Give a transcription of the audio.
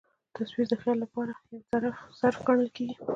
تصویر د خیال له پاره یو ظرف ګڼل کېږي.